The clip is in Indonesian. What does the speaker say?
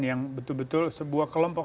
yang betul betul sebuah kelompok